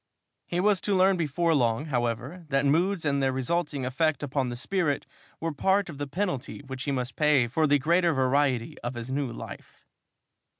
He was to learn before long, however, that moods and their resulting effect upon the spirit were part of the penalty which he must pay for the greater variety of his new life.